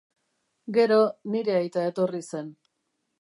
Gero, nire aita etorri zen.